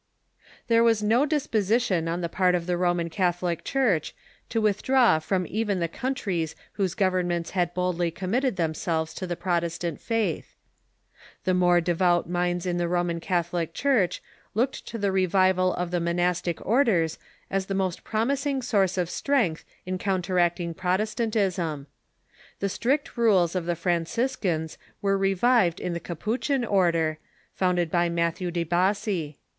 There was no disposition on the part of the Roman Catholic Church to withdraw from even the countries whose govern ments had boldly committed themselves to the Protestant faith. The more devout minds in the Roman Catholic Church looked to the revival of the monastic orders as the most promising source of strength in counteracting Prot Oid Orders ^stantism. The strict rules of the Franciscans were Revived revived in the Capuchin order, founded by Matthew de Bassi.